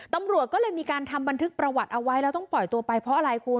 ตำรวจก็เลยมีการทำบันทึกประวัติเอาไว้แล้วต้องปล่อยตัวไปเพราะอะไรคุณ